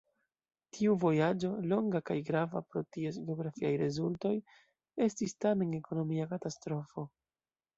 Tiu vojaĝo, longa kaj grava pro ties geografiaj rezultoj, estis tamen ekonomia katastrofo.